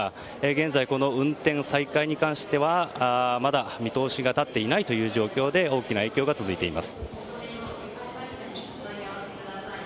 現在、運転再開に関してまだ見通しが立っていない状況で大きな影響が続いています。